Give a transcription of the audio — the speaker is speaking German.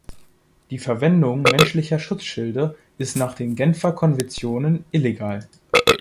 Die Verwendung menschlicher Schutzschilde ist nach den Genfer Konventionen illegal.